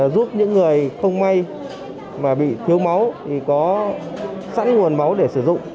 giúp những người không may mà bị thiếu máu thì có sẵn nguồn máu để sử dụng